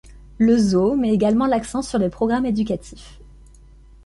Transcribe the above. Le zoo met également l'accent sur les programmes éducatifs.